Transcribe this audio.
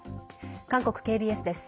韓国ＫＢＳです。